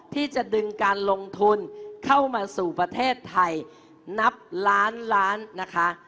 ที่จะดึงการลงทุนเข้ามาสู่ประเทศไทยนับล้านล้านนะคะ